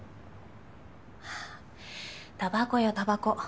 はぁたばこよたばこ。